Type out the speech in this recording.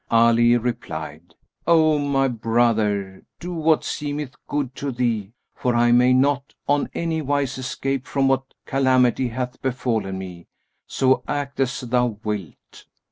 Ali replied, "O my brother, do what seemeth good to thee; for I may not on any wise escape from what calamity hath befallen me; so act as thou wilt."